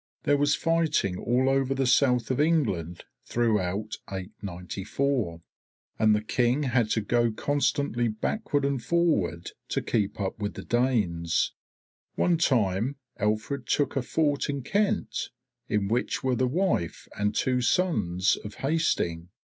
There was fighting all over the south of England throughout 894, and the King had to go constantly backward and forward to keep up with the Danes. One time Alfred took a fort in Kent, in which were the wife and two sons of Hasting.